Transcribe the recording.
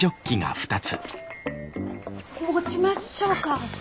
持ちましょうか。